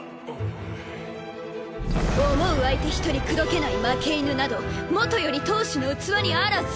思う相手一人口説けない負け犬などもとより当主の器にあらず！